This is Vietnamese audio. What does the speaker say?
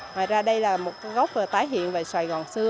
ngoài ra đây là một gốc tái hiện về sài gòn xưa